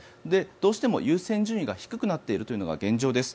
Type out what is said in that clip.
どうしても優先順位が低くなっているというのが現状です。